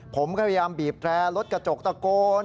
ผมก็พยายามบีบแตรรถกระจกตะโกน